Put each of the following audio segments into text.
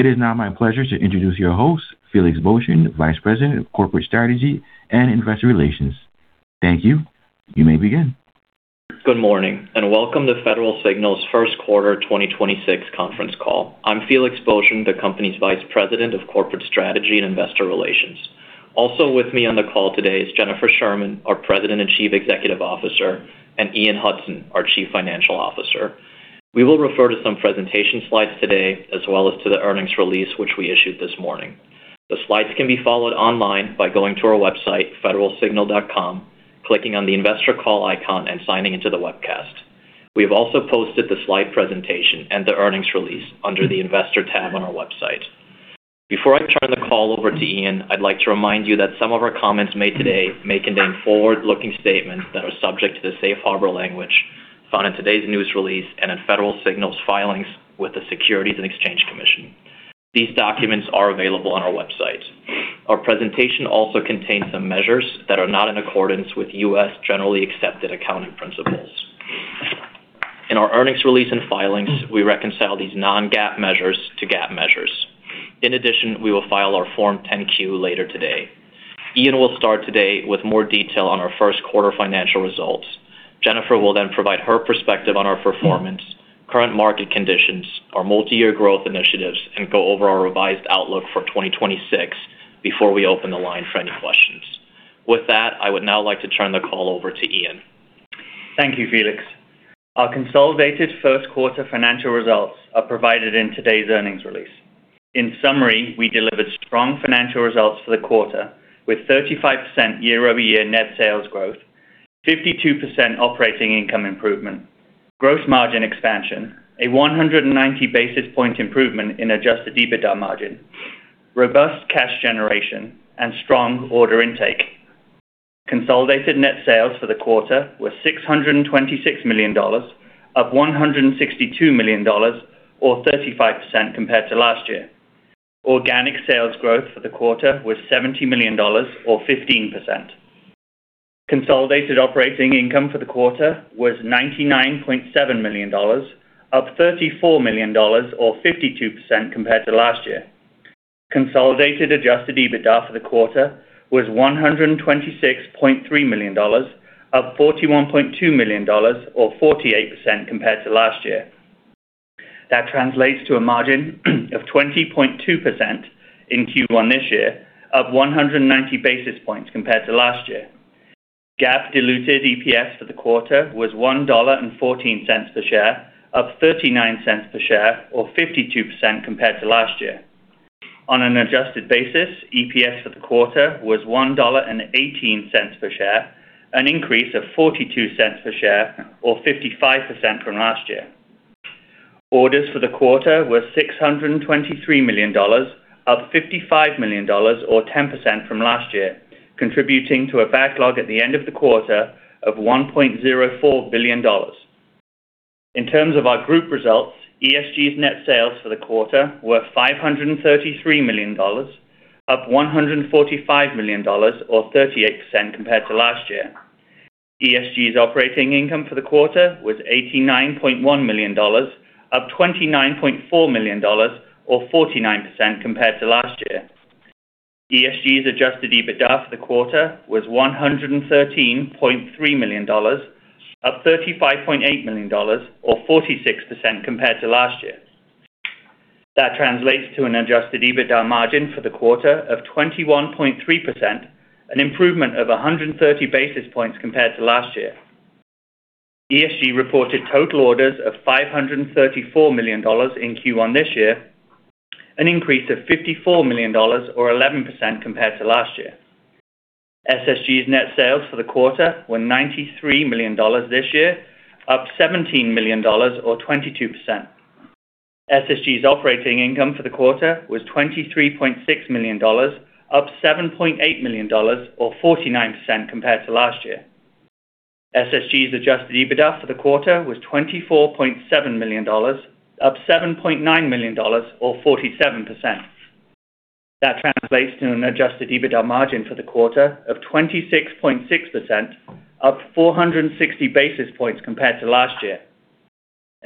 It is now my pleasure to introduce your host, Felix Boeschen, Vice President of Corporate Strategy and Investor Relations. Thank you. You may begin. Good morning. Welcome to Federal Signal's First Quarter 2026 Conference Call. I'm Felix Boeschen, the company's Vice President of Corporate Strategy and Investor Relations. Also with me on the call today is Jennifer Sherman, our President and Chief Executive Officer, and Ian Hudson, our Chief Financial Officer. We will refer to some presentation slides today as well as to the earnings release, which we issued this morning. The slides can be followed online by going to our website, federalsignal.com, clicking on the Investor Call icon, and signing into the webcast. We have also posted the slide presentation and the earnings release under the investor tab on our website. Before I turn the call over to Ian, I'd like to remind you that some of our comments made today may contain forward-looking statements that are subject to the safe harbor language found in today's news release and in Federal Signal's filings with the Securities and Exchange Commission. These documents are available on our website. Our presentation also contains some measures that are not in accordance with U.S. Generally Accepted Accounting Principles. In our earnings release and filings, we reconcile these non-GAAP measures to GAAP measures. We will file our Form 10-Q later today. Ian will start today with more detail on our first quarter financial results. Jennifer will provide her perspective on our performance, current market conditions, our multi-year growth initiatives, and go over our revised outlook for 2026 before we open the line for any questions. With that, I would now like to turn the call over to Ian. Thank you, Felix. Our consolidated first quarter financial results are provided in today's earnings release. In summary, we delivered strong financial results for the quarter with 35% year-over-year net sales growth, 52% operating income improvement, gross margin expansion, a 190 basis point improvement in adjusted EBITDA margin, robust cash generation, and strong order intake. Consolidated net sales for the quarter were $626 million, up $162 million or 35% compared to last year. Organic sales growth for the quarter was $70 million or 15%. Consolidated operating income for the quarter was $99.7 million, up $34 million or 52% compared to last year. Consolidated adjusted EBITDA for the quarter was $126.3 million, up $41.2 million or 48% compared to last year. That translates to a margin of 20.2% in Q1 this year, up 190 basis points compared to last year. GAAP diluted EPS for the quarter was $1.14 per share, up $0.39 per share or 52% compared to last year. On an adjusted basis, EPS for the quarter was $1.18 per share, an increase of $0.42 per share or 55% from last year. Orders for the quarter were $623 million, up $55 million or 10% from last year, contributing to a backlog at the end of the quarter of $1.04 billion. In terms of our group results, ESG's net sales for the quarter were $533 million, up $145 million or 38% compared to last year. ESG's operating income for the quarter was $89.1 million, up $29.4 million or 49% compared to last year. ESG's adjusted EBITDA for the quarter was $113.3 million, up $35.8 million or 46% compared to last year. That translates to an adjusted EBITDA margin for the quarter of 21.3%, an improvement over 130 basis points compared to last year. ESG reported total orders of $534 million in Q1 this year, an increase of $54 million or 11% compared to last year. SSG's net sales for the quarter were $93 million this year, up $17 million or 22%. SSG's operating income for the quarter was $23.6 million, up $7.8 million or 49% compared to last year. SSG's adjusted EBITDA for the quarter was $24.7 million, up $7.9 million or 47%. That translates to an adjusted EBITDA margin for the quarter of 26.6%, up 460 basis points compared to last year.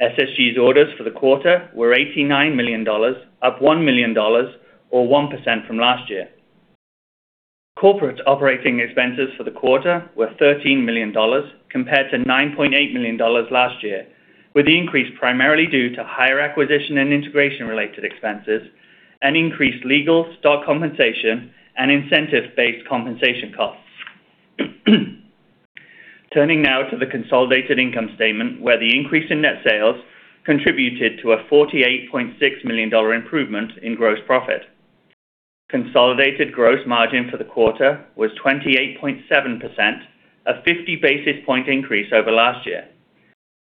SSG's orders for the quarter were $89 million, up $1 million or 1% from last year. Corporate operating expenses for the quarter were $13 million compared to $9.8 million last year, with the increase primarily due to higher acquisition and integration related expenses and increased legal, stock compensation, and incentive-based compensation costs. Turning now to the consolidated income statement, where the increase in net sales contributed to a $48.6 million improvement in gross profit. Consolidated gross margin for the quarter was 28.7%, a 50 basis point increase over last year.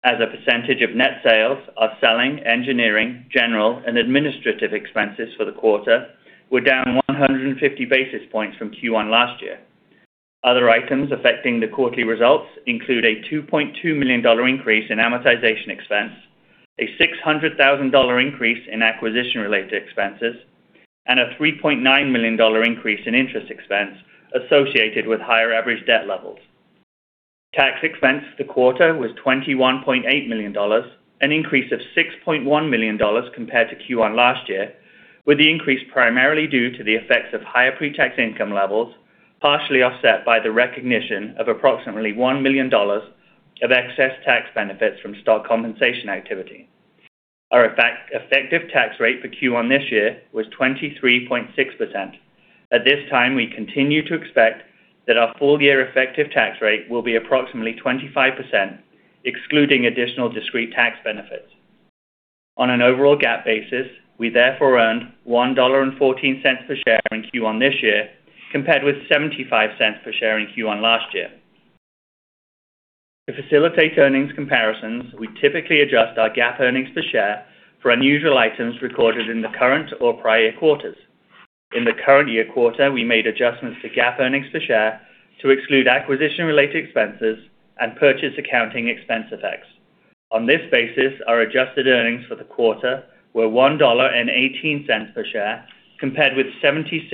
As a percentage of net sales, our selling, engineering, general, and administrative expenses for the quarter were down 150 basis points from Q1 last year. Other items affecting the quarterly results include a $2.2 million increase in amortization expense, a $600,000 increase in acquisition-related expenses, and a $3.9 million increase in interest expense associated with higher average debt levels. Tax expense for the quarter was $21.8 million, an increase of $6.1 million compared to Q1 last year, with the increase primarily due to the effects of higher pre-tax income levels, partially offset by the recognition of approximately $1 million of excess tax benefits from stock compensation activity. Our effective tax rate for Q1 this year was 23.6%. At this time, we continue to expect that our full year effective tax rate will be approximately 25%, excluding additional discrete tax benefits. On an overall GAAP basis, we therefore earned $1.14 per share in Q1 this year, compared with $0.75 per share in Q1 last year. To facilitate earnings comparisons, we typically adjust our GAAP earnings per share for unusual items recorded in the current or prior quarters. In the current year quarter, we made adjustments to GAAP earnings per share to exclude acquisition-related expenses and purchase accounting expense effects. On this basis, our adjusted earnings for the quarter were $1.18 per share, compared with $0.76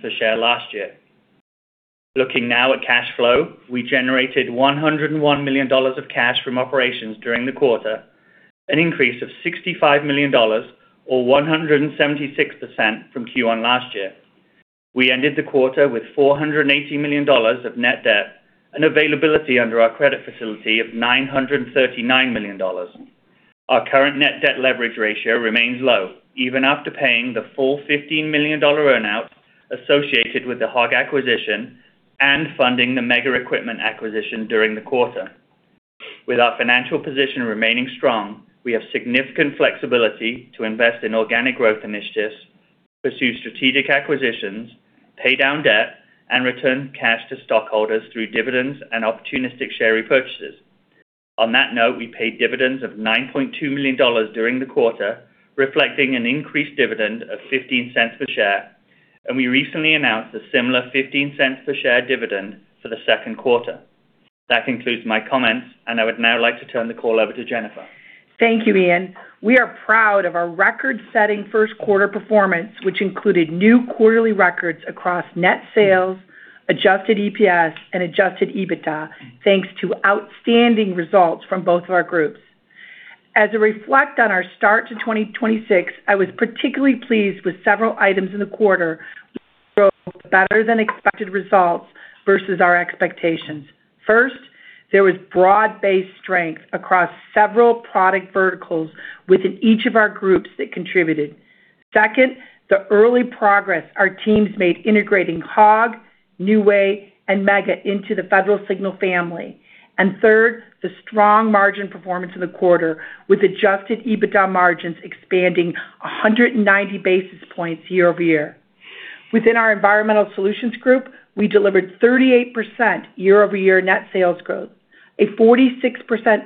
per share last year. Looking now at cash flow, we generated $101 million of cash from operations during the quarter, an increase of $65 million or 176% from Q1 last year. We ended the quarter with $480 million of net debt and availability under our credit facility of $939 million. Our current net debt leverage ratio remains low even after paying the full $15 million earn-out associated with the Hog acquisition and funding the Mega equipment acquisition during the quarter. With our financial position remaining strong, we have significant flexibility to invest in organic growth initiatives, pursue strategic acquisitions, pay down debt, and return cash to stockholders through dividends and opportunistic share repurchases. On that note, we paid dividends of $9.2 million during the quarter, reflecting an increased dividend of $0.15 per share, and we recently announced a similar $0.15 per share dividend for the second quarter. That concludes my comments, and I would now like to turn the call over to Jennifer. Thank you, Ian. We are proud of our record-setting first quarter performance, which included new quarterly records across net sales, adjusted EPS, and adjusted EBITDA, thanks to outstanding results from both of our groups. As I reflect on our start to 2026, I was particularly pleased with several items in the quarter that drove better than expected results versus our expectations. First, there was broad-based strength across several product verticals within each of our groups that contributed. Second, the early progress our teams made integrating Hog Technologies, New Way, and Mega into the Federal Signal family. Third, the strong margin performance in the quarter with adjusted EBITDA margins expanding 190 basis points year-over-year. Within our Environmental Solutions Group, we delivered 38% year-over-year net sales growth, a 46%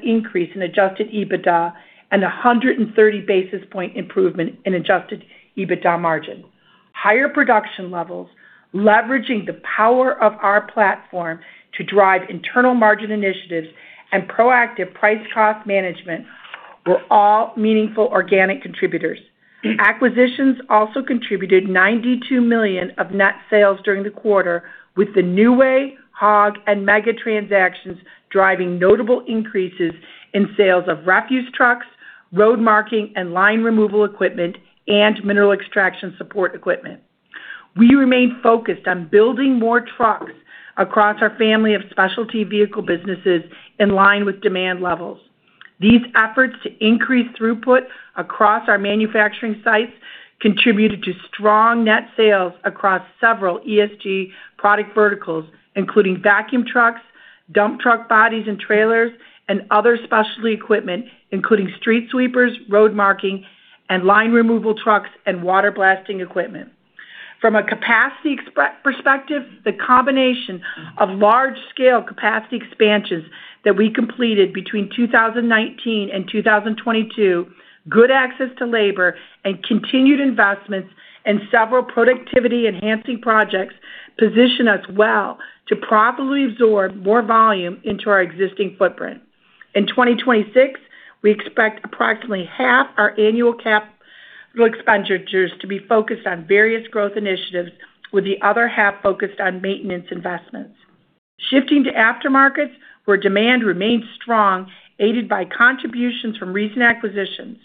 increase in adjusted EBITDA, and a 130 basis point improvement in adjusted EBITDA margin. Higher production levels, leveraging the power of our platform to drive internal margin initiatives, and proactive price cost management were all meaningful organic contributors. Acquisitions also contributed $92 million of net sales during the quarter, with the New Way, Hog, and Mega transactions driving notable increases in sales of refuse trucks, road marking and line removal equipment, and mineral extraction support equipment. We remain focused on Build More Trucks across our family of specialty vehicle businesses in line with demand levels. These efforts to increase throughput across our manufacturing sites contributed to strong net sales across several ESG product verticals, including vacuum trucks, dump truck bodies and trailers, and other specialty equipment, including street sweepers, road marking, and line removal trucks and waterblasting equipment. From a capacity perspective, the combination of large-scale capacity expansions that we completed between 2019 and 2022, good access to labor, and continued investments in several productivity-enhancing projects position us well to properly absorb more volume into our existing footprint. In 2026, we expect approximately half our annual capital expenditures to be focused on various growth initiatives, with the other half focused on maintenance investments. Shifting to aftermarkets, where demand remains strong, aided by contributions from recent acquisitions.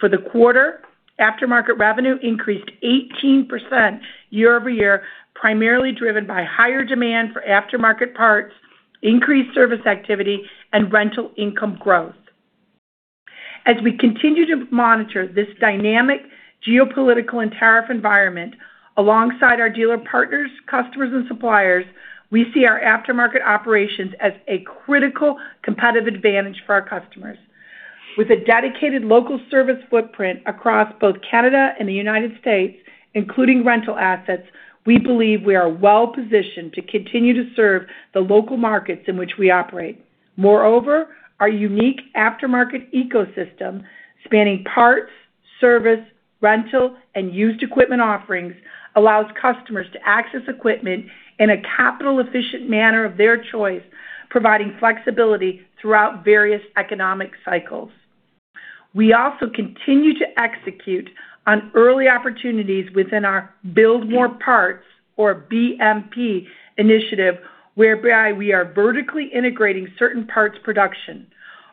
For the quarter, aftermarket revenue increased 18% year-over-year, primarily driven by higher demand for aftermarket parts, increased service activity, and rental income growth. As we continue to monitor this dynamic geopolitical and tariff environment alongside our dealer partners, customers, and suppliers, we see our aftermarket operations as a critical competitive advantage for our customers. With a dedicated local service footprint across both Canada and the United States, including rental assets, we believe we are well positioned to continue to serve the local markets in which we operate. Moreover, our unique aftermarket ecosystem spanning parts, service, rental, and used equipment offerings allows customers to access equipment in a capital-efficient manner of their choice, providing flexibility throughout various economic cycles. We also continue to execute on early opportunities within our Build More Parts, or BMP initiative, whereby we are vertically integrating certain parts production.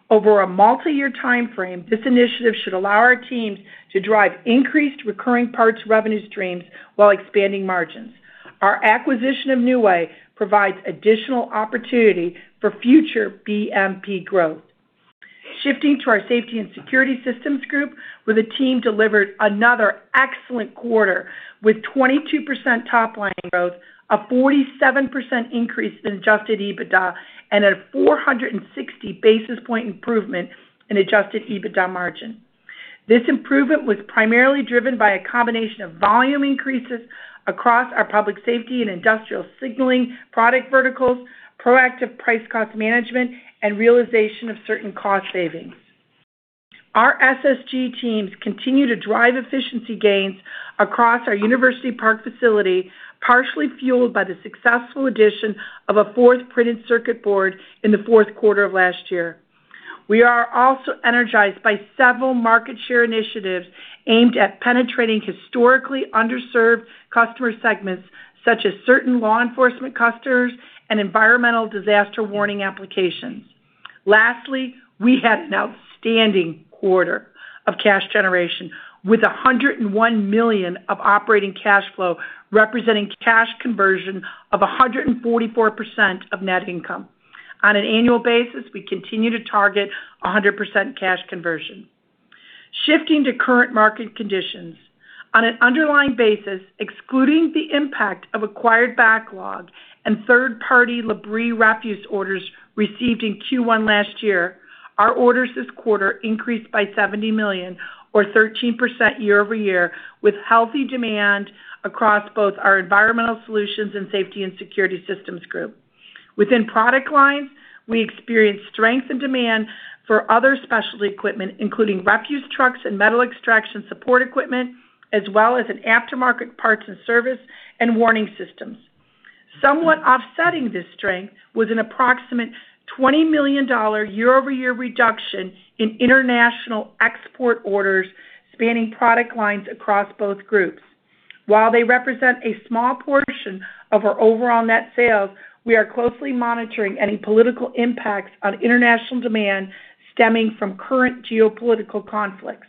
Over a multi-year time frame, this initiative should allow our teams to drive increased recurring parts revenue streams while expanding margins. Our acquisition of New Way provides additional opportunity for future BMP growth. Shifting to our Safety and Security Systems Group, where the team delivered another excellent quarter with 22% top line growth, a 47% increase in adjusted EBITDA and a 460 basis point improvement in adjusted EBITDA margin. This improvement was primarily driven by a combination of volume increases across our public safety and industrial signaling product verticals, proactive price cost management and realization of certain cost savings. Our SSG teams continue to drive efficiency gains across our University Park facility, partially fueled by the successful addition of a fourth printed circuit board in the fourth quarter of last year. We are also energized by several market share initiatives aimed at penetrating historically underserved customer segments such as certain law enforcement customers and environmental disaster warning applications. Lastly, we had an outstanding quarter of cash generation with $101 million of operating cash flow, representing cash conversion of 144% of net income. On an annual basis, we continue to target 100% cash conversion. Shifting to current market conditions. On an underlying basis, excluding the impact of acquired backlog and third-party Labrie refuse orders received in Q1 last year, our orders this quarter increased by $70 million or 13% year-over-year, with healthy demand across both our Environmental Solutions and Safety and Security Systems Group. Within product lines, we experienced strength in demand for other specialty equipment, including refuse trucks and metal extraction support equipment, as well as in aftermarket parts and service and warning systems. Somewhat offsetting this strength was an approximate $20 million year-over-year reduction in international export orders spanning product lines across both groups. While they represent a small portion of our overall net sales, we are closely monitoring any political impacts on international demand stemming from current geopolitical conflicts.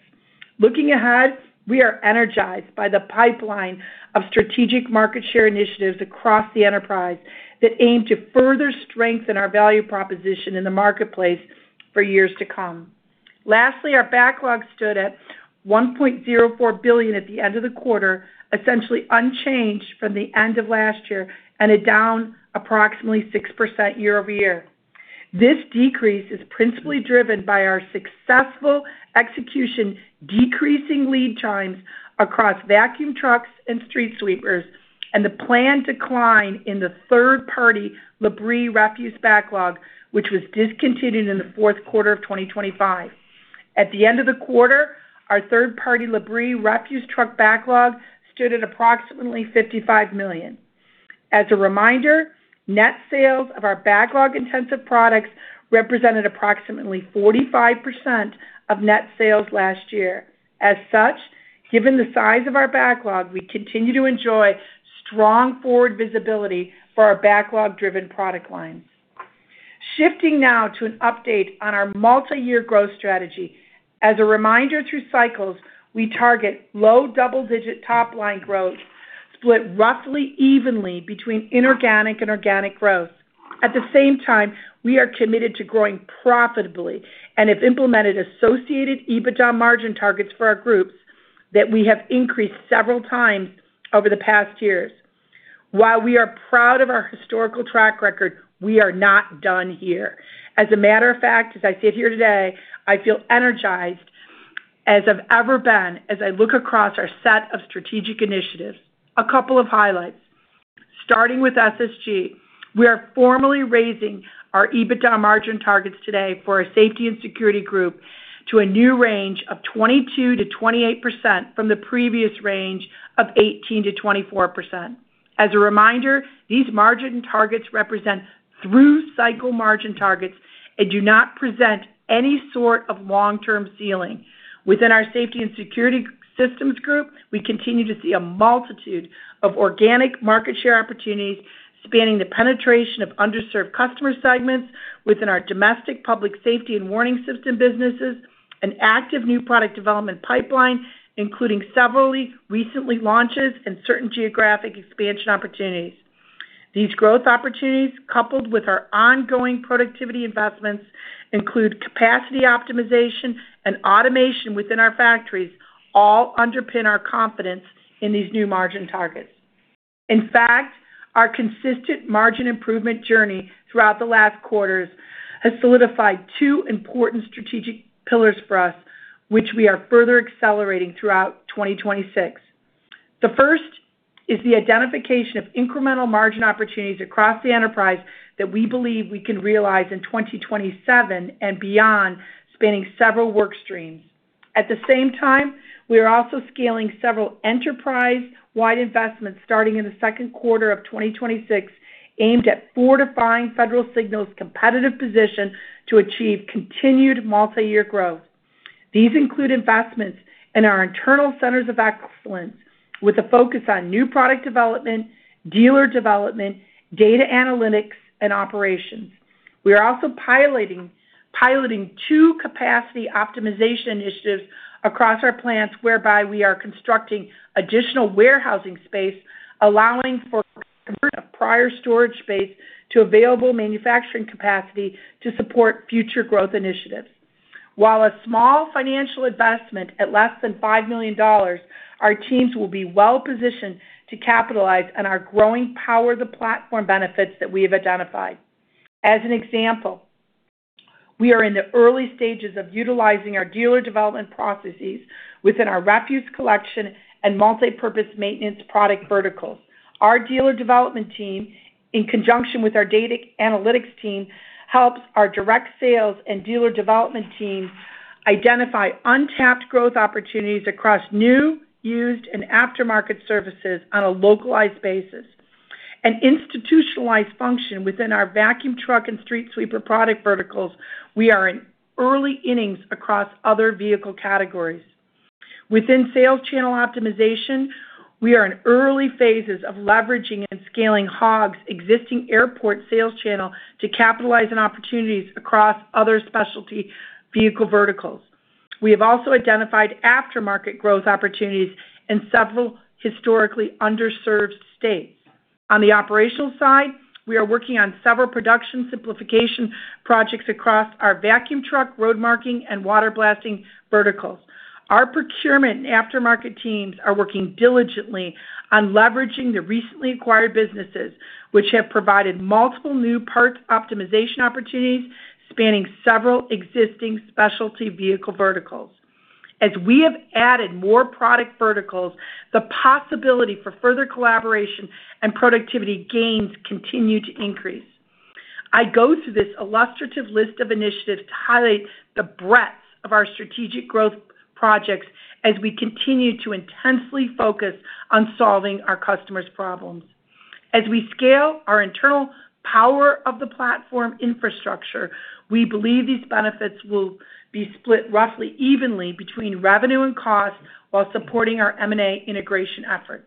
Looking ahead, we are energized by the pipeline of strategic market share initiatives across the enterprise that aim to further strengthen our value proposition in the marketplace for years to come. Lastly, our backlog stood at $1.04 billion at the end of the quarter, essentially unchanged from the end of last year and it down approximately 6% year-over-year. This decrease is principally driven by our successful execution, decreasing lead times across vacuum trucks and street sweepers, and the planned decline in the third party Labrie refuse backlog, which was discontinued in the fourth quarter of 2025. At the end of the quarter, our third party Labrie refuse truck backlog stood at approximately $55 million. As a reminder, net sales of our backlog intensive products represented approximately 45% of net sales last year. Given the size of our backlog, we continue to enjoy strong forward visibility for our backlog driven product lines. Shifting now to an update on our multi-year growth strategy. As a reminder, through cycles, we target low double-digit top line growth split roughly evenly between inorganic and organic growth. At the same time, we are committed to growing profitably and have implemented associated EBITDA margin targets for our groups that we have increased several times over the past years. While we are proud of our historical track record, we are not done here. As a matter of fact, as I sit here today, I feel energized as I've ever been as I look across our set of strategic initiatives. A couple of highlights. Starting with SSG, we are formally raising our EBITDA margin targets today for our Safety and Security Group to a new range of 22%-28% from the previous range of 18%-24%. As a reminder, these margin targets represent through cycle margin targets and do not present any sort of long term ceiling. Within our Safety and Security Systems Group, we continue to see a multitude of organic market share opportunities spanning the penetration of underserved customer segments within our domestic public safety and warning system businesses, an active new product development pipeline, including several recently launched and certain geographic expansion opportunities. These growth opportunities, coupled with our ongoing productivity investments, include capacity optimization and automation within our factories all underpin our confidence in these new margin targets. In fact, our consistent margin improvement journey throughout the last quarters has solidified two important strategic pillars for us, which we are further accelerating throughout 2026. The first is the identification of incremental margin opportunities across the enterprise that we believe we can realize in 2027 and beyond, spanning several work streams. At the same time, we are also scaling several enterprise-wide investments starting in the second quarter of 2026, aimed at fortifying Federal Signal's competitive position to achieve continued multi-year growth. These include investments in our internal centers of excellence with a focus on new product development, dealer development, data analytics, and operations. We are also piloting two capacity optimization initiatives across our plants, whereby we are constructing additional warehousing space, allowing for conversion of prior storage space to available manufacturing capacity to support future growth initiatives. While a small financial investment at less than $5 million, our teams will be well-positioned to capitalize on our growing power of the platform benefits that we have identified. As an example, we are in the early stages of utilizing our dealer development processes within our refuse collection and multipurpose maintenance product verticals. Our dealer development team, in conjunction with our data analytics team, helps our direct sales and dealer development teams identify untapped growth opportunities across new, used, and aftermarket services on a localized basis. An institutionalized function within our vacuum truck and street sweeper product verticals, we are in early innings across other vehicle categories. Within sales channel optimization, we are in early phases of leveraging and scaling Hog's existing airport sales channel to capitalize on opportunities across other specialty vehicle verticals. We have also identified aftermarket growth opportunities in several historically underserved states. On the operational side, we are working on several production simplification projects across our vacuum truck, road marking, and waterblasting verticals. Our procurement and aftermarket teams are working diligently on leveraging the recently acquired businesses, which have provided multiple new parts optimization opportunities spanning several existing specialty vehicle verticals. As we have added more product verticals, the possibility for further collaboration and productivity gains continue to increase. I go through this illustrative list of initiatives to highlight the breadth of our strategic growth projects as we continue to intensely focus on solving our customers' problems. As we scale our internal Power of the Platform infrastructure, we believe these benefits will be split roughly evenly between revenue and cost while supporting our M&A integration efforts.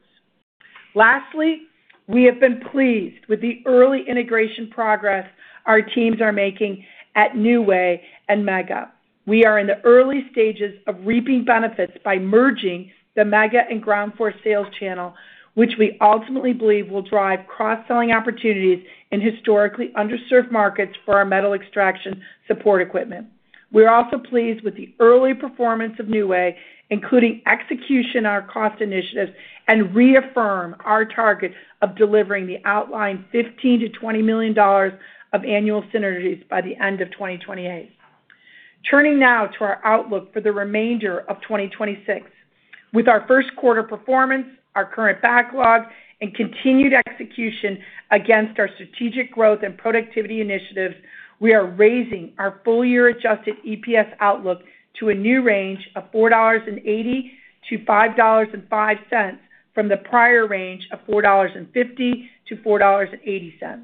Lastly, we have been pleased with the early integration progress our teams are making at New Way and Mega. We are in the early stages of reaping benefits by merging the Mega and Ground Force sales channel, which we ultimately believe will drive cross-selling opportunities in historically underserved markets for our metal extraction support equipment. We're also pleased with the early performance of New Way, including execution on our cost initiatives, and reaffirm our target of delivering the outlined $15 million-$20 million of annual synergies by the end of 2028. Turning now to our outlook for the remainder of 2026. With our first quarter performance, our current backlog, and continued execution against our strategic growth and productivity initiatives, we are raising our full-year adjusted EPS outlook to a new range of $4.80-$5.05 from the prior range of $4.50-$4.80.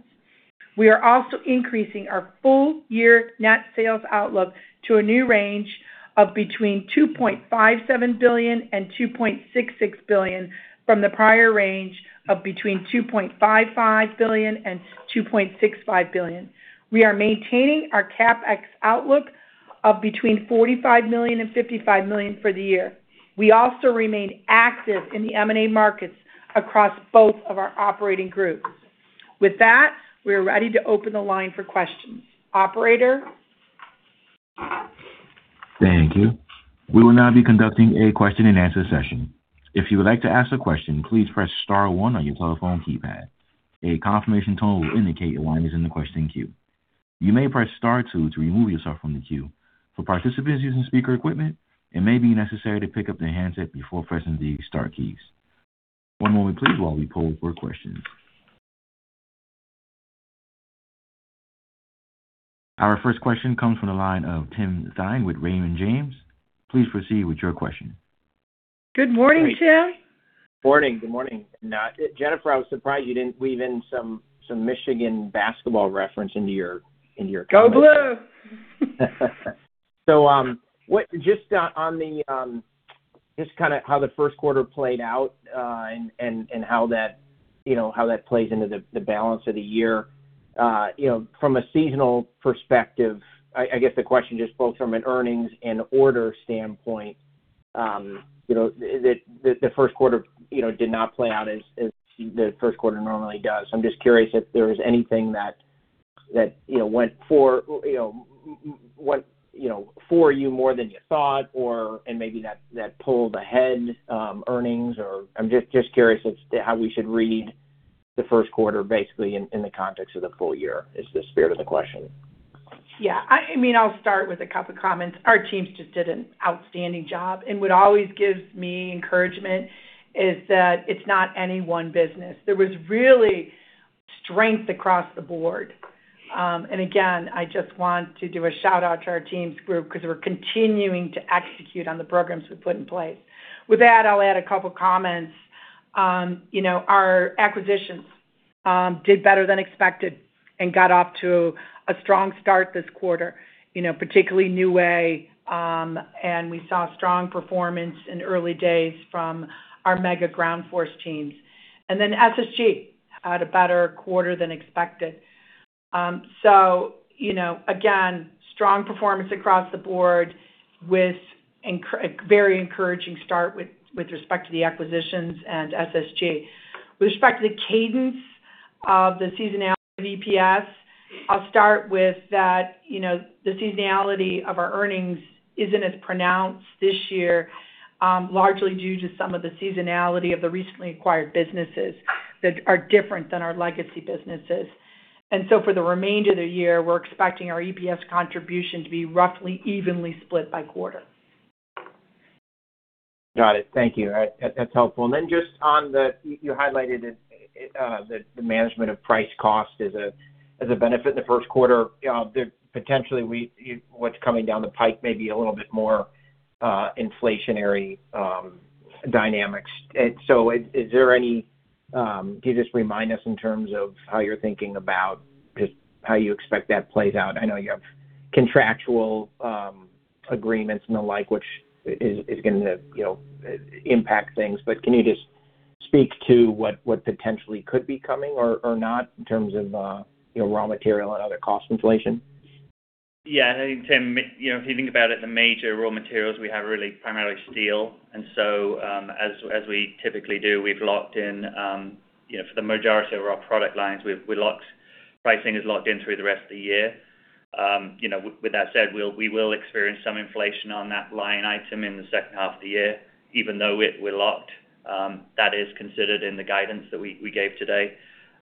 We are also increasing our full-year net sales outlook to a new range of between $2.57 billion and $2.66 billion from the prior range of between $2.55 billion and $2.65 billion. We are maintaining our CapEx outlook of between $45 million and $55 million for the year. We also remain active in the M&A markets across both of our operating groups. With that, we are ready to open the line for questions. Operator? Thank you. We will now be conducting a question-and-answer session. If you would like to ask a question, please press star one on your telephone keypad. A confirmation tone will indicate your line is in the question queue. You may press star two to remove yourself from the queue. For participants using speaker equipment, it may be necessary to pick up the handset before pressing the star keys. One moment please while we poll for questions. Our first question comes from the line of Tim Thein with Raymond James. Please proceed with your question. Good morning, Tim. Morning. Good morning. Now, Jennifer, I was surprised you didn't weave in some Michigan basketball reference into your, into your comments. Go Blue. Just on the, just kinda how the first quarter played out, and how that, you know, how that plays into the balance of the year. You know, from a seasonal perspective, I guess the question just both from an earnings and order standpoint, you know, the first quarter, you know, did not play out as the first quarter normally does. I'm just curious if there was anything that, you know, went for, you know, what, you know, for you more than you thought or, and maybe that pulled ahead, earnings or I'm just curious as to how we should read the first quarter basically in the context of the full year is the spirit of the question. Yeah. I mean, I'll start with wa couple comments. Our teams just did an outstanding job, and what always gives me encouragement is that it's not any one business. There was really strength across the board. Again, I just want to do a shout-out to our teams group 'cause we're continuing to execute on the programs we've put in place. With that, I'll add a couple comments. You know, our acquisitions did better than expected and got off to a strong start this quarter, you know, particularly New Way. We saw strong performance in early days from our Mega Ground Force teams. SSG had a better quarter than expected. You know, again, strong performance across the board with very encouraging start with respect to the acquisitions and SSG. With respect to the cadence of the seasonality of EPS, I'll start with that, you know, the seasonality of our earnings isn't as pronounced this year, largely due to some of the seasonality of the recently acquired businesses that are different than our legacy businesses. For the remainder of the year, we're expecting our EPS contribution to be roughly evenly split by quarter. Got it. Thank you. That, that's helpful. Then you highlighted it, the management of price cost as a benefit in the first quarter. Potentially what's coming down the pipe may be a little bit more inflationary dynamics. Is there any, can you just remind us in terms of how you're thinking about just how you expect that to play out? I know you have contractual agreements and the like, which is gonna, you know, impact things. Can you just speak to what potentially could be coming or not in terms of, you know, raw material and other cost inflation? Yeah. I think, Tim, you know, if you think about it, the major raw materials we have are really primarily steel. As we typically do, we've locked in, you know, for the majority of our product lines, pricing is locked in through the rest of the year. You know, with that said, we will experience some inflation on that line item in the second half of the year, even though we're locked. That is considered in the guidance that we gave today.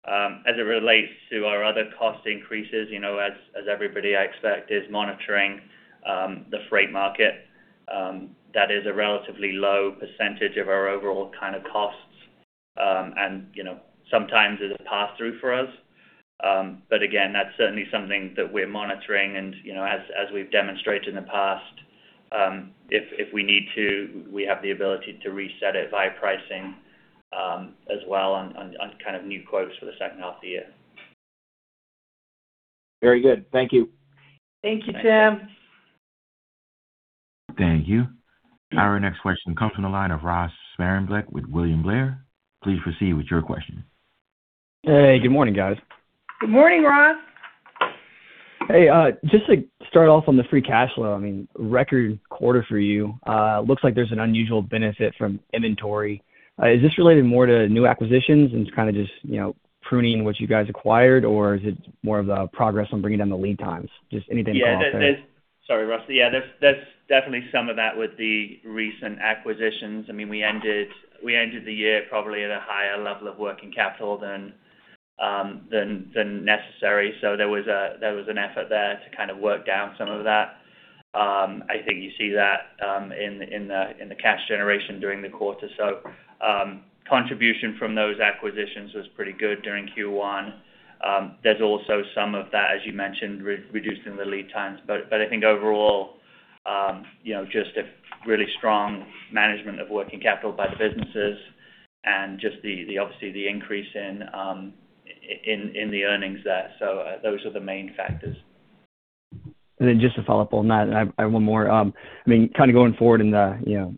As it relates to our other cost increases, you know, as everybody I expect is monitoring the freight market, that is a relatively low % of our overall kind of costs. You know, sometimes is a pass-through for us. Again, that's certainly something that we're monitoring. You know, as we've demonstrated in the past, if we need to, we have the ability to reset it via pricing as well on kind of new quotes for the second half of the year. Very good. Thank you. Thank you, Tim. Thanks. Thank you. Our next question comes from the line of Ross Sparenblek with William Blair. Please proceed with your question. Hey, good morning, guys. Good morning, Ross. Hey, just to start off on the free cash flow, I mean, record quarter for you. Looks like there's an unusual benefit from inventory. Is this related more to new acquisitions and to kind of just, you know, pruning what you guys acquired, or is it more of the progress on bringing down the lead times, just anything at all? Yeah. Sorry, Ross. There's definitely some of that with the recent acquisitions. I mean, we ended the year probably at a higher level of working capital than necessary. There was an effort there to kind of work down some of that. I think you see that in the cash generation during the quarter. Contribution from those acquisitions was pretty good during Q1. There's also some of that, as you mentioned, reducing the lead times. I think overall, you know, just a really strong management of working capital by the businesses and just the obviously the increase in the earnings there. Those are the main factors. Just a follow-up on that, and I have one more. I mean, kind of going forward in the, you know,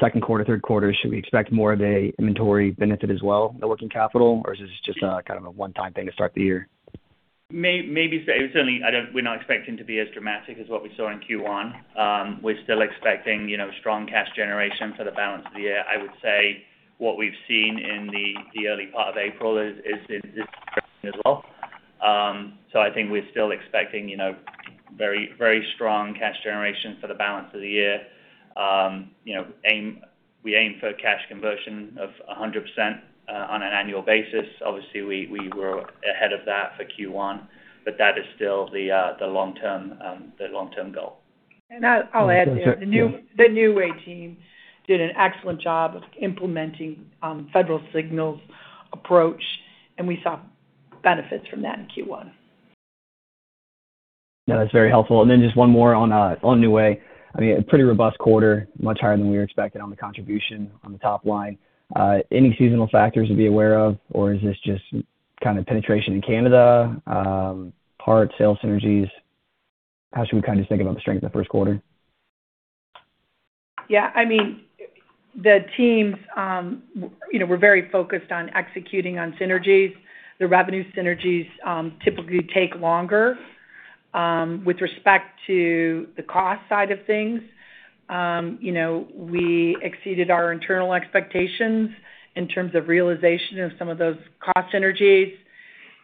second quarter, third quarter, should we expect more of an inventory benefit as well, the working capital? Is this just a kind of a one-time thing to start the year? Maybe so. Certainly we're not expecting to be as dramatic as what we saw in Q1. We're still expecting, you know, strong cash generation for the balance of the year. I would say what we've seen in the early part of April is promising as well. I think we're still expecting, you know, very strong cash generation for the balance of the year. You know, we aim for cash conversion of 100% on an annual basis. Obviously, we were ahead of that for Q1, that is still the long-term goal. I'll add there. The New Way team did an excellent job of implementing Federal Signal's approach, and we saw benefits from that in Q1. No, that's very helpful. Just one more on New Way. I mean, a pretty robust quarter, much higher than we were expecting on the contribution on the top line. Any seasonal factors to be aware of, or is this just kind of penetration in Canada, part sales synergies? How should we kind of think about the strength of the first quarter? Yeah. I mean, the teams, you know, we're very focused on executing on synergies. The revenue synergies, typically take longer. With respect to the cost side of things, you know, we exceeded our internal expectations in terms of realization of some of those cost synergies.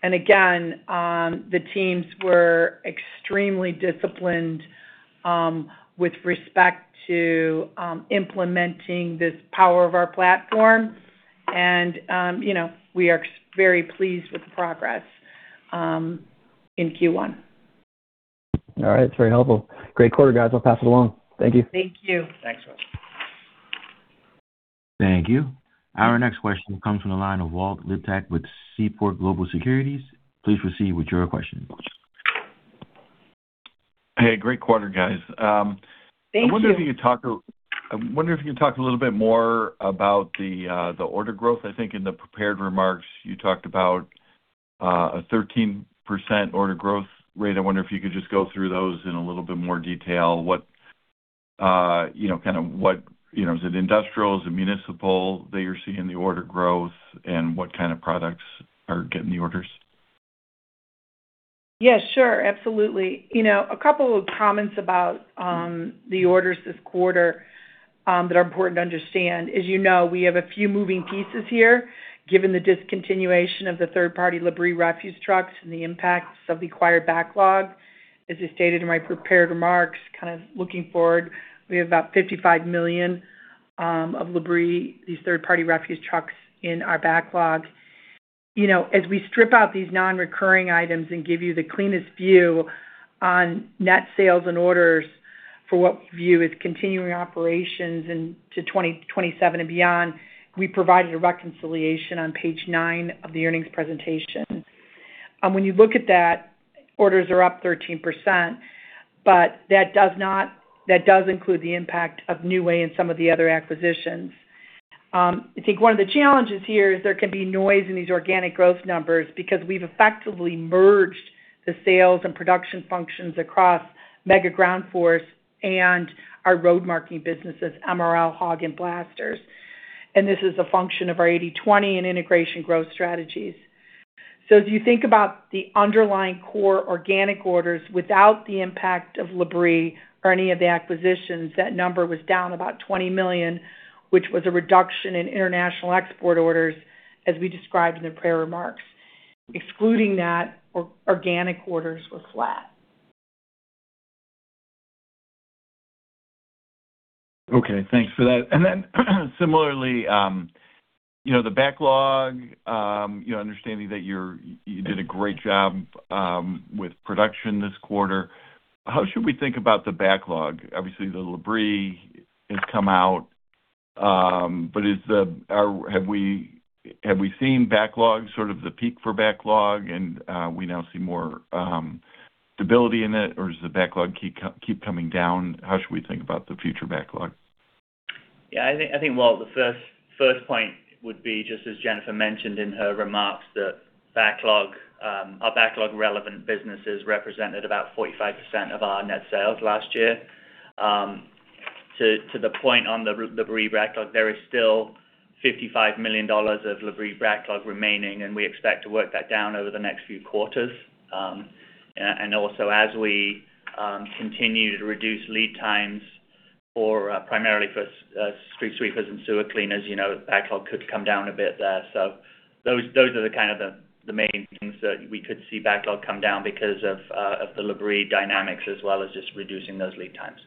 Again, the teams were extremely disciplined with respect to implementing this power of our platform. You know, we are very pleased with the progress in Q1. All right. It is very helpful. Great quarter, guys. I will pass it along. Thank you. Thank you. Thanks, Ross. Thank you. Our next question comes from the line of Walter Liptak with Seaport Global Securities. Please proceed with your question. Hey, great quarter, guys. Thank you. I wonder if you could talk a little bit more about the order growth. I think in the prepared remarks, you talked about a 13% order growth rate. I wonder if you could just go through those in a little bit more detail. What, you know, is it industrials, is it municipal that you're seeing the order growth, and what kind of products are getting the orders? Sure. Absolutely. You know, a couple of comments about the orders this quarter that are important to understand. As you know, we have a few moving pieces here, given the discontinuation of the third-party Labrie refuse trucks and the impacts of the acquired backlog. As I stated in my my prepared remarks, kind of looking forward, we have about $55 million of Labrie, these third-party refuse trucks in our backlog. You know, as we strip out these non-recurring items and give you the cleanest view on net sales and orders for what we view as continuing operations into 2027 and beyond, we provided a reconciliation on page nine of the earnings presentation. When you look at that, orders are up 13%, that does include the impact of New Way and some of the other acquisitions. I think one of the challenges here is there can be noise in these organic growth numbers because we've effectively merged the sales and production functions across Mega Ground Force and our road marking businesses, MRL, Hog, and Blasters. This is a function of our 80/20 in integration growth strategies. As you think about the underlying core organic orders without the impact of Labrie or any of the acquisitions, that number was down about $20 million, which was a reduction in international export orders, as we described in the prepared remarks. Excluding that, organic orders were flat. Okay, thanks for that. Similarly, you know, the backlog, you know, understanding that you did a great job with production this quarter. How should we think about the backlog? Obviously, the Labrie has come out, have we seen backlog, sort of the peak for backlog, and we now see more stability in it, or does the backlog keep coming down? How should we think about the future backlog? I think, well, the first point would be, just as Jennifer mentioned in her remarks, that backlog, our backlog relevant businesses represented about 45% of our net sales last year. To the point on the Labrie backlog, there is still $55 million of Labrie backlog remaining, we expect to work that down over the next few quarters. Also as we continue to reduce lead times for primarily for street sweepers and sewer cleaners, you know, backlog could come down a bit there. Those are the kind of the main things that we could see backlog come down because of the Labrie dynamics as well as just reducing those lead times.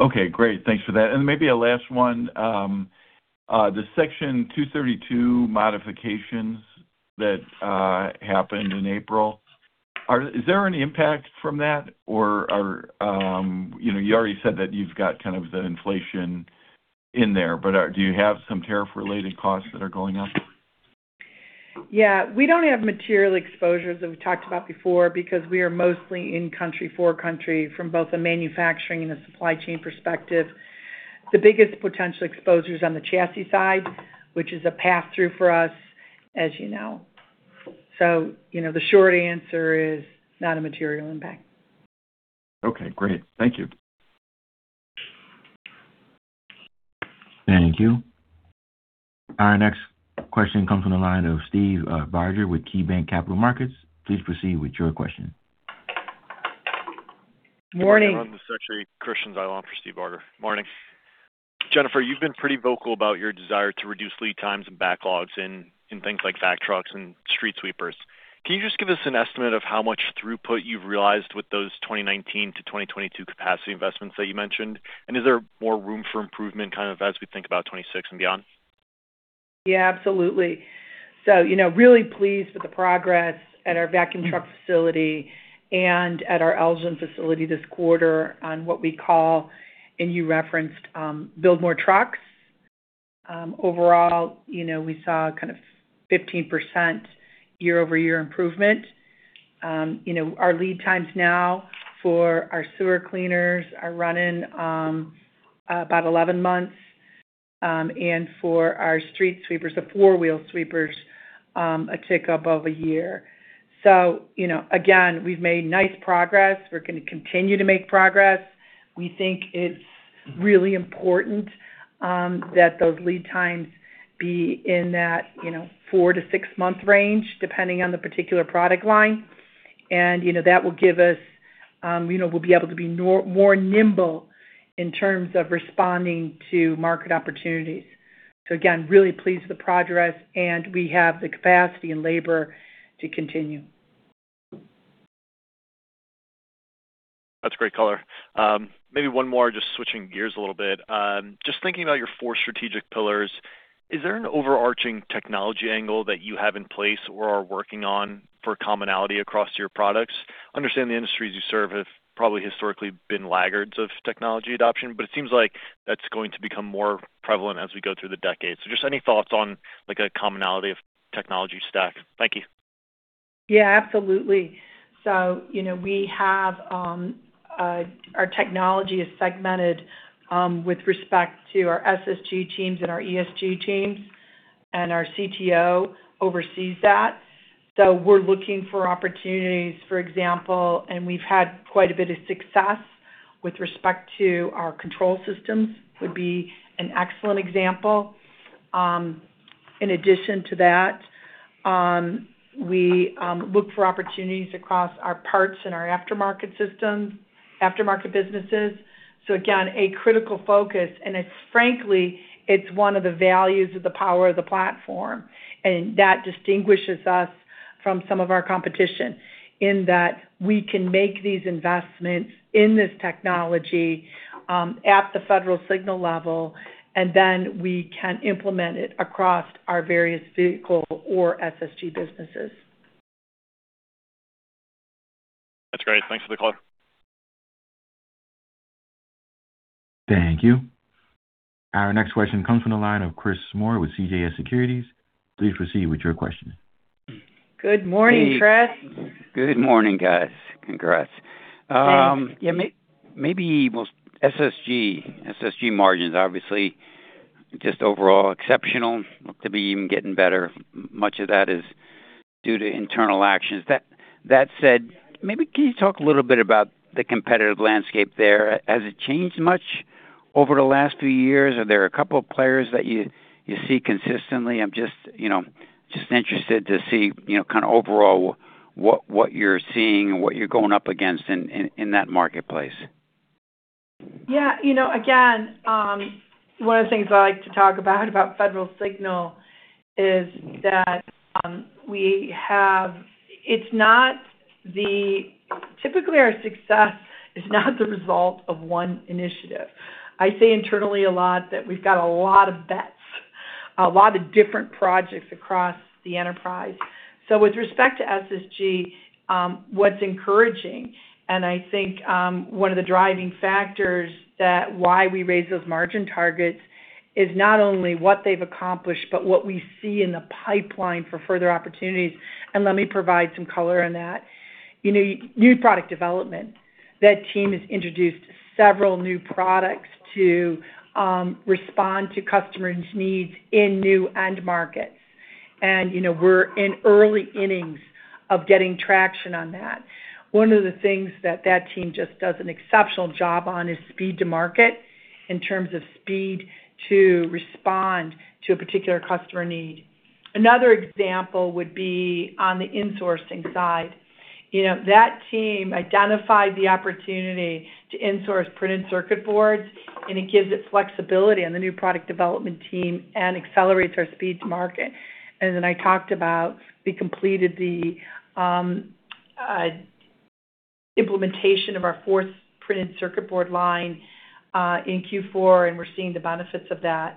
Okay, great. Thanks for that. Maybe a last one? The Section 232 modifications that happened in April, is there any impact from that? You know, you already said that you've got kind of the inflation in there, but do you have some tariff-related costs that are going up? Yeah. We don't have material exposures that we've talked about before because we are mostly in country, for country from both a manufacturing and a supply chain perspective. The biggest potential exposure is on the chassis side, which is a pass-through for us, as you know. You know, the short answer is not a material impact. Okay, great. Thank you. Thank you. Our next question comes from the line of Steve Barger with KeyBanc Capital Markets. Please proceed with your question. Morning. Christian Zyla on for Steve Barger. Morning. Jennifer, you've been pretty vocal about your desire to reduce lead times and backlogs in things like vac trucks and street sweepers. Can you just give us an estimate of how much throughput you've realized with those 2019 to 2022 capacity investments that you mentioned? Is there more room for improvement kind of as we think about 2026 and beyond? Yeah, absolutely. You know, really pleased with the progress at our vacuum truck facility and at our Elgin facility this quarter on what we call, and you referenced, Build More Trucks. Overall, you know, we saw kind of 15% year-over-year improvement. You know, our lead times now for our sewer cleaners are running about 11 months, and for our street sweepers, the four-wheel sweepers, a tick up of a year. You know, again, we've made nice progress. We're gonna continue to make progress. We think it's really important that those lead times be in that, you know, four-six month range, depending on the particular product line. You know, that will give us, you know, we'll be able to be more nimble in terms of responding to market opportunities. Again, really pleased with the progress, and we have the capacity and labor to continue. That's a great color. Maybe one more, just switching gears a little bit. Just thinking about your four strategic pillars, is there an overarching technology angle that you have in place or are working on for commonality across your products? I understand the industries you serve have probably historically been laggards of technology adoption, but it seems like that's going to become more prevalent as we go through the decades. Just any thoughts on, like, a commonality of technology stack. Thank you. Absolutely. You know, we have our technology is segmented with respect to our SSG teams and our ESG teams, and our CTO oversees that. We're looking for opportunities, for example, and we've had quite a bit of success with respect to our control systems, would be an excellent example. In addition to that, we look for opportunities across our parts and our aftermarket businesses. Again, a critical focus, and it's frankly, it's one of the values of the power of the platform. That distinguishes us from some of our competition in that we can make these investments in this technology at the Federal Signal level, and then we can implement it across our various vehicle or SSG businesses. That's great. Thanks for the color. Thank you. Our next question comes from the line of Chris Moore with CJS Securities. Please proceed with your question. Good morning, Chris. Good morning, guys. Congrats. Yeah, maybe, well, SSG margins, obviously just overall exceptional, to be even getting better. Much of that is due to internal actions. That said, maybe can you talk a little bit about the competitive landscape there? Has it changed much over the last few years? Are there a couple of players that you see consistently? I'm just, you know, just interested to see, you know, kind of overall what you're seeing and what you're going up against in that marketplace. Yeah. You know, again, one of the things I like to talk about Federal Signal is that typically, our success is not the result of one initiative. I say internally a lot that we've got a lot of bets, a lot of different projects across the enterprise. With respect to SSG, what's encouraging, and I think, one of the driving factors that why we raise those margin targets is not only what they've accomplished, but what we see in the pipeline for further opportunities. Let me provide some color on that. You know, new product development, that team has introduced several new products to respond to customers' needs in new end markets. You know, we're in early innings of getting traction on that. One of the things that that team just does an exceptional job on is speed to market in terms of speed to respond to a particular customer need. Another example would be on the insourcing side. You know, that team identified the opportunity to insource printed circuit boards, and it gives it flexibility on the new product development team and accelerates our speed to market. I talked about, we completed the implementation of our fourth printed circuit board line in Q4, and we're seeing the benefits of that.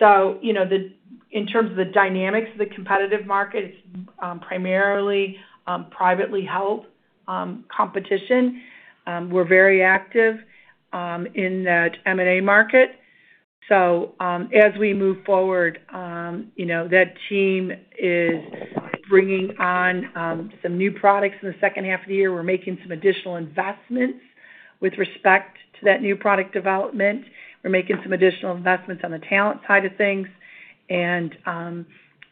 You know, in terms of the dynamics of the competitive market, it's primarily privately held competition. We're very active in that M&A market. As we move forward, you know, that team is bringing on some new products in the second half of the year. We're making some additional investments with respect to that new product development. We're making some additional investments on the talent side of things.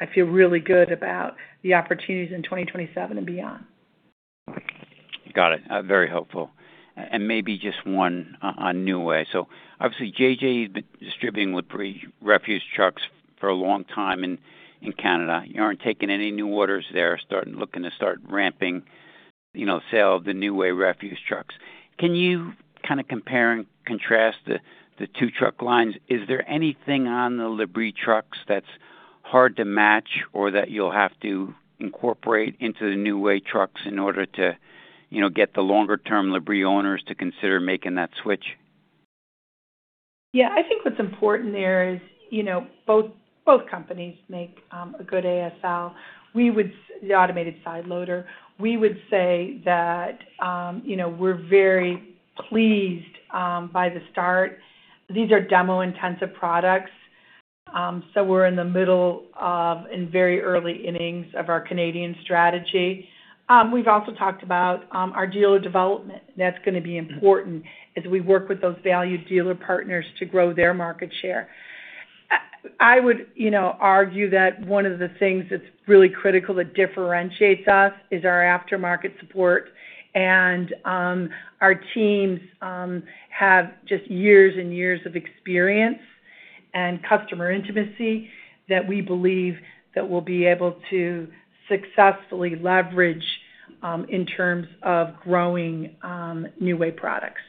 I feel really good about the opportunities in 2027 and beyond. Got it. Very helpful. Maybe just one on New Way. Obviously, JJ has been distributing with refuse trucks for a long time in Canada. You aren't taking any new orders there, looking to start ramping, you know, sale of the New Way refuse trucks. Can you kind of compare and contrast the two truck lines? Is there anything on the Labrie trucks that's hard to match or that you'll have to incorporate into the New Way trucks in order to, you know, get the longer-term Labrie owners to consider making that switch? Yeah. I think what's important there is, you know, both companies make a good ASL, the automated side loader. We would say that, you know, we're very pleased by the start. These are demo-intensive products, we're in the middle of and very early innings of our Canadian strategy. We've also talked about our dealer development. That's gonna be important as we work with those valued dealer partners to grow their market share. I would, you know, argue that one of the things that's really critical that differentiates us is our aftermarket support. Our teams have just years and years of experience and customer intimacy that we believe that we'll be able to successfully leverage in terms of growing New Way products.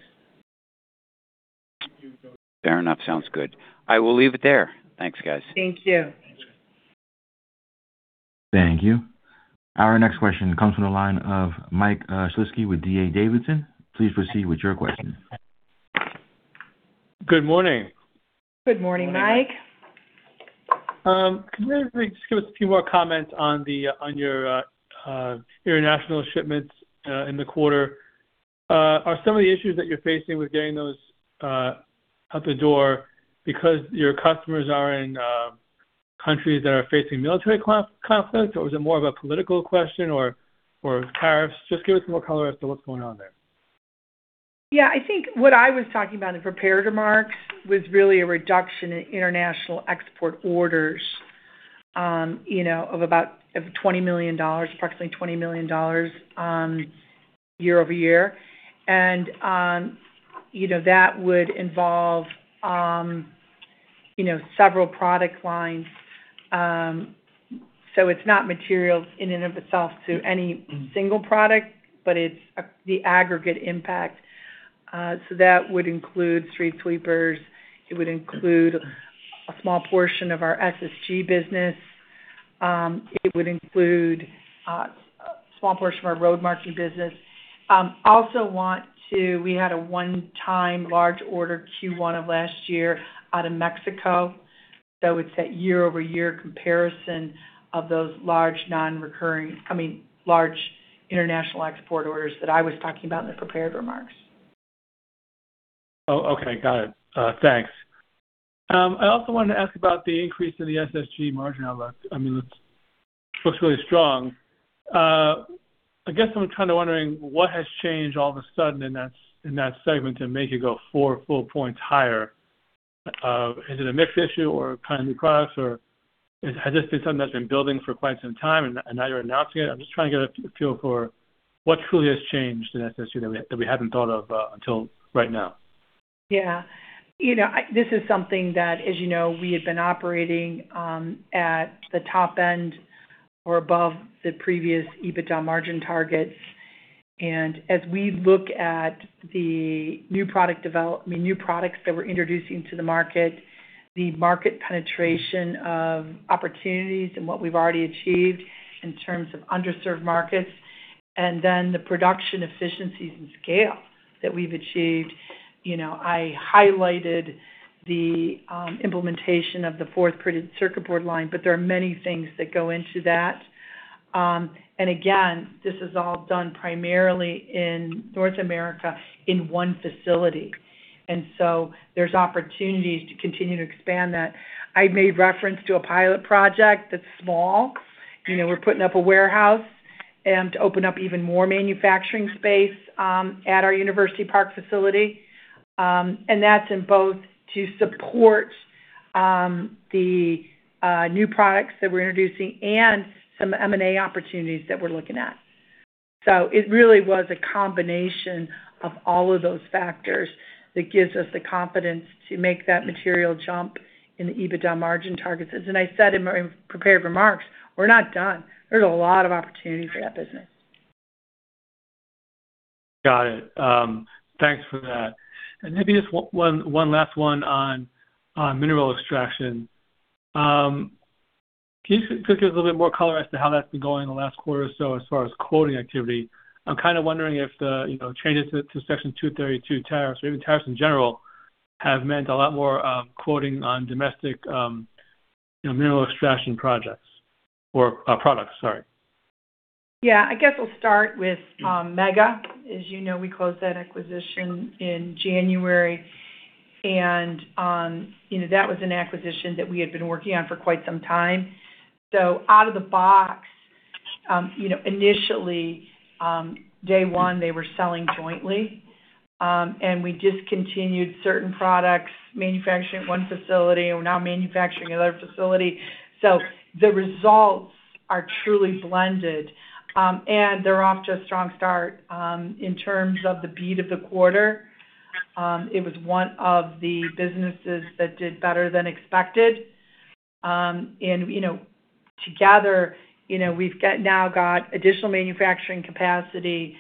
Fair enough. Sounds good. I will leave it there. Thanks, guys. Thank you. Thank you. Our next question comes from the line of Michael Shlisky with D.A. Davidson. Please proceed with your question. Good morning. Good morning, Mike. Can you maybe just give us a few more comments on your international shipments in the quarter? Are some of the issues that you're facing with getting those out the door because your customers are in countries that are facing military conflict? Or is it more of a political question or tariffs? Just give us more color as to what's going on there. Yeah. I think what I was talking about in prepared remarks was really a reduction in international export orders, you know, of $20 million, approximately $20 million, year-over-year. You know, that would involve, you know, several product lines. It's not materials in and of itself to any single product, but it's the aggregate impact. That would include street sweepers. It would include a small portion of our SSG business. It would include a small portion of our road marking business. We had a one-time large order Q1 of last year out of Mexico, it's that year-over-year comparison of those large, I mean, large international export orders that I was talking about in the prepared remarks. Okay. Got it. Thanks. I also wanted to ask about the increase in the SSG margin outlook. I mean, it looks really strong. I guess I'm kind of wondering what has changed all of a sudden in that segment to make it go four full points higher? Is it a mix issue or kind of new products or has this been something that's been building for quite some time and now you're announcing it? I'm just trying to get a feel for what truly has changed in SSG that we hadn't thought of until right now. You know, this is something that, as you know, we had been operating at the top end or above the previous EBITDA margin targets. As we look at the new products that we're introducing to the market, the market penetration of opportunities and what we've already achieved in terms of underserved markets, the production efficiencies and scale that we've achieved. You know, I highlighted the implementation of the fourth printed circuit board line, there are many things that go into that. Again, this is all done primarily in North America in one facility. There's opportunities to continue to expand that. I made reference to a pilot project that's small. You know, we're putting up a warehouse to open up even more manufacturing space at our University Park facility. And that's in both to support the new products that we're introducing and some M&A opportunities that we're looking at. It really was a combination of all of those factors that gives us the confidence to make that material jump in the EBITDA margin targets. As I said in my prepared remarks, we're not done. There's a lot of opportunity for that business. Got it. Thanks for that. Maybe just one last one on mineral extraction. Can you just give us a little bit more color as to how that's been going in the last quarter or so as far as quoting activity? I'm kind of wondering if the, you know, changes to Section 232 tariffs or even tariffs in general have meant a lot more quoting on domestic, you know, mineral extraction projects or products, sorry. Yeah. I guess I'll start with Mega. As you know, we closed that acquisition in January, you know, that was an acquisition that we had been working on for quite some time. Out of the box, you know, initially, day one, they were selling jointly. We discontinued certain products manufactured at one facility and we're now manufacturing at another facility. The results are truly blended. They're off to a strong start. In terms of the beat of the quarter, it was one of the businesses that did better than expected. You know, together, you know, we now got additional manufacturing capacity.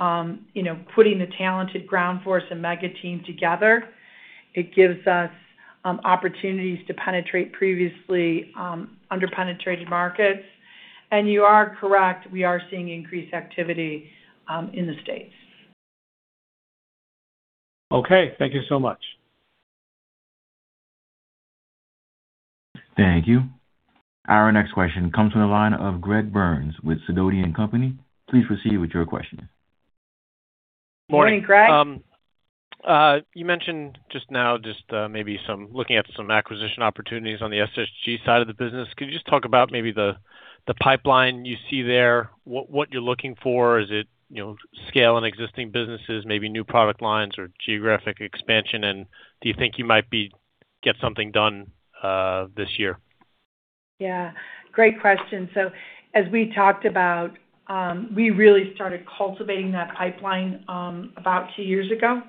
You know, putting the talented Ground Force and Mega team together, it gives us opportunities to penetrate previously under-penetrated markets. You are correct, we are seeing increased activity in the U.S. Okay. Thank you so much. Thank you. Our next question comes from the line of Greg Burns with Sidoti & Company. Please proceed with your question. Morning, Greg. You mentioned just now just looking at some acquisition opportunities on the SSG side of the business. Could you just talk about maybe the pipeline you see there? What you're looking for? Is it, you know, scale in existing businesses, maybe new product lines or geographic expansion? Do you think you might get something done this year? Yeah. Great question. As we talked about, we really started cultivating that pipeline about two years ago.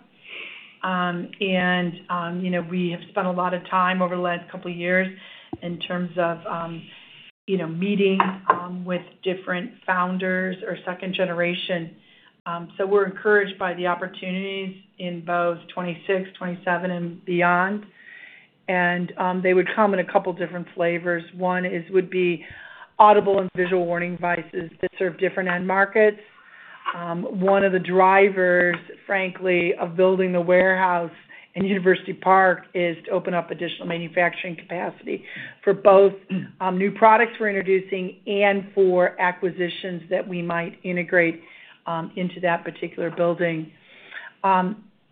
You know, we have spent a lot of time over the last couple of years in terms of, you know, meeting with different founders or second generation. We're encouraged by the opportunities in both 2026, 2027 and beyond. They would come in a couple different flavors. One would be audible and visual warning devices that serve different end markets. One of the drivers, frankly, of building the warehouse in University Park is to open up additional manufacturing capacity for both new products we're introducing and for acquisitions that we might integrate into that particular building.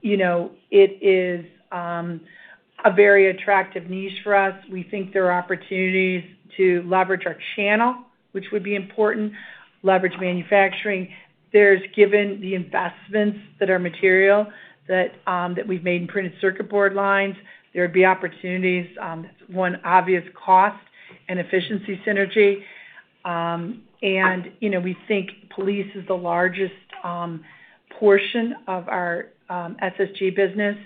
You know, it is a very attractive niche for us. We think there are opportunities to leverage our channel, which would be important, leverage manufacturing. Given the investments that are material that we've made in printed circuit board lines, there'd be opportunities, one obvious cost and efficiency synergy. You know, we think police is the largest portion of our SSG business,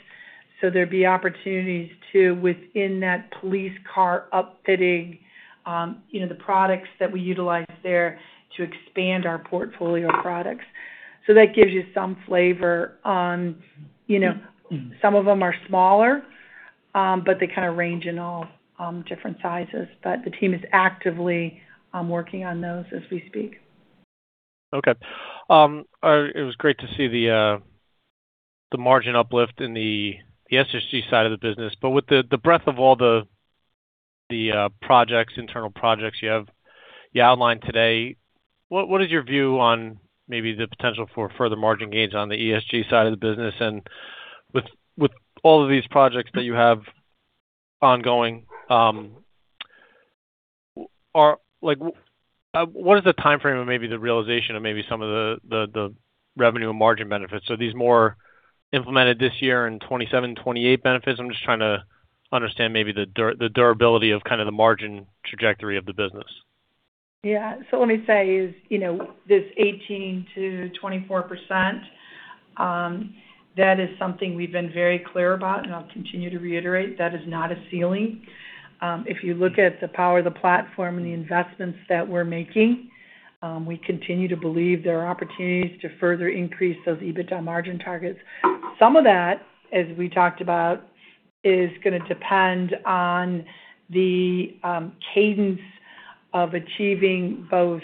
so there'd be opportunities to, within that police car upfitting, you know, the products that we utilize there to expand our portfolio of products. That gives you some flavor on, you know, some of them are smaller, but they kind of range in all different sizes. The team is actively working on those as we speak. It was great to see the margin uplift in the SSG side of the business. With the breadth of all the projects, internal projects you have, you outlined today, what is your view on maybe the potential for further margin gains on the ESG side of the business? With all of these projects that you have ongoing, what is the timeframe of maybe the realization of maybe some of the revenue and margin benefits? Are these more implemented this year in 2027, 2028 benefits? I'm just trying to understand maybe the durability of kind of the margin trajectory of the business. Yeah. Let me say is, you know, this 18%-24%, that is something we've been very clear about, and I'll continue to reiterate, that is not a ceiling. If you look at the power of the platform and the investments that we're making, we continue to believe there are opportunities to further increase those EBITDA margin targets. Some of that, as we talked about, is gonna depend on the cadence of achieving both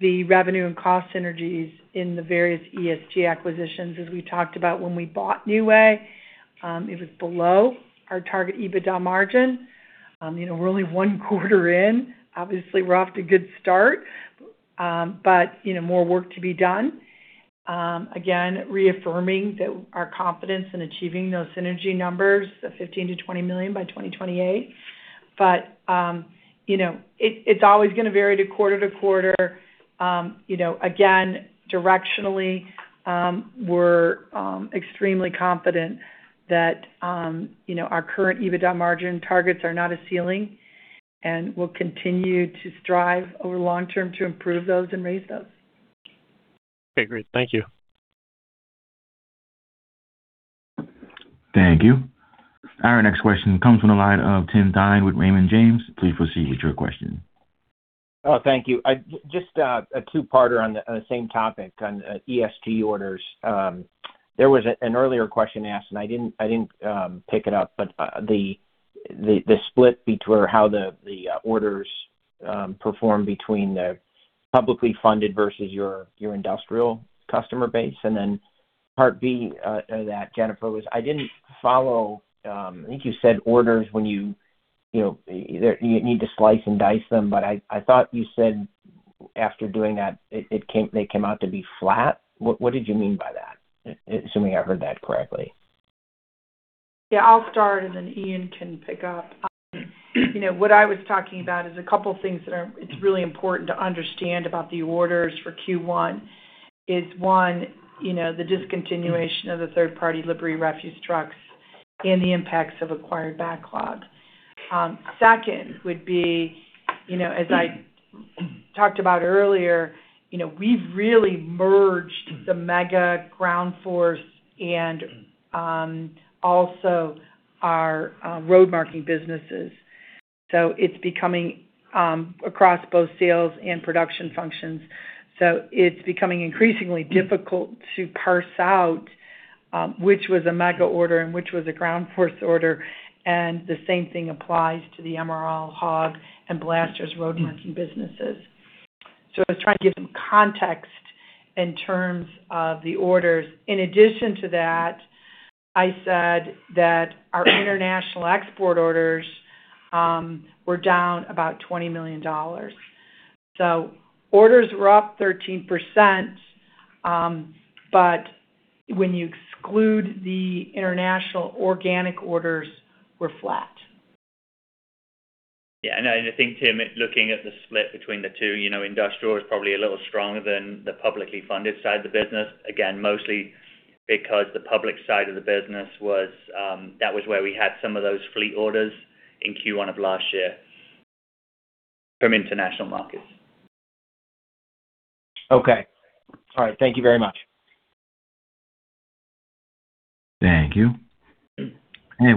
the revenue and cost synergies in the various ESG acquisitions. As we talked about when we bought New Way, it was below our target EBITDA margin. You know, we're only 1 quarter in. Obviously, we're off to a good start, you know, more work to be done. Again, reaffirming that our confidence in achieving those synergy numbers of $15 million-$20 million by 2028. You know, it's always gonna vary to quarter-to-quarter. You know, again, directionally, we're extremely confident that, you know, our current EBITDA margin targets are not a ceiling, and we'll continue to strive over long term to improve those and raise those. Okay, great. Thank you. Thank you. Our next question comes from the line of Tim Thein with Raymond James. Please proceed with your question. Oh, thank you. Just a two-parter on the same topic, on ESG orders. There was an earlier question asked, and I didn't pick it up. The split between how the orders perform between the publicly funded versus your industrial customer base. Part B of that, Jennifer, was I didn't follow. I think you said orders when you know, you need to slice and dice them. I thought you said after doing that, they came out to be flat. What did you mean by that? Assuming I heard that correctly. Yeah, I'll start and then Ian can pick up. You know, what I was talking about is a couple things that are really important to understand about the orders for Q1 is, one, you know, the discontinuation of the third-party Labrie refuse trucks and the impacts of acquired backlog. Second would be, you know, as I talked about earlier, you know, we've really merged the Mega Ground Force and also our road marking businesses. It's becoming across both sales and production functions. It's becoming increasingly difficult to parse out which was a Mega order and which was a Ground Force order, and the same thing applies to the MRL, Hog, and Blasters road marking businesses. I was trying to give some context in terms of the orders. In addition to that, I said that our international export orders, were down about $20 million. Orders were up 13%, but when you exclude the international organic orders, were flat. Yeah, and I think, Tim, looking at the split between the two, you know, industrial is probably a little stronger than the publicly funded side of the business. Again, mostly because the public side of the business was that was where we had some of those fleet orders in Q1 of last year from international markets. Okay. All right. Thank you very much. Thank you.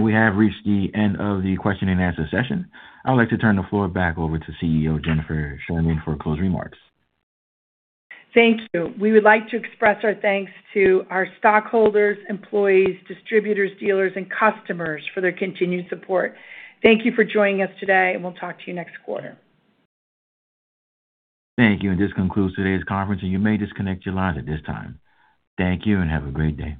We have reached the end of the question and answer session. I would like to turn the floor back over to CEO Jennifer Sherman for closing remarks. Thank you. We would like to express our thanks to our stockholders, employees, distributors, dealers, and customers for their continued support. Thank you for joining us today, and we'll talk to you next quarter. Thank you. This concludes today's conference, and you may disconnect your lines at this time. Thank you, and have a great day.